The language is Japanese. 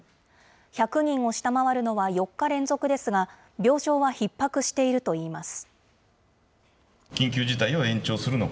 １００人を下回るのは４日連続ですが、病床はひっ迫しているといいます。